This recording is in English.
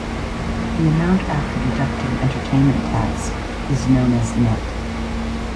The amount after deducting entertainment tax is known as nett.